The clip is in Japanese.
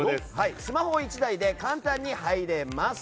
スマホ１台で簡単に入れます。